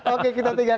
oke kita tinggal